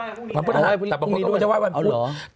แต่พวกนี้เราจะว่ายวันพุทธ